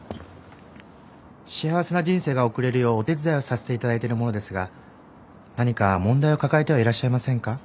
幸せな人生が送れるようお手伝いをさせていただいてる者ですが何か問題を抱えてはいらっしゃいませんか？